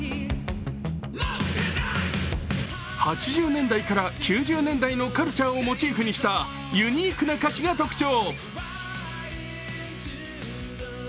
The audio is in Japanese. ８０年代から９０年代のカルチャーをモチーフにしたユニークな歌詞が特徴。